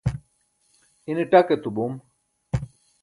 ine ṭak etu bom